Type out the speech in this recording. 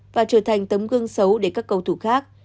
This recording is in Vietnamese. và trở thành tấm gương xấu để các cầu thủ khác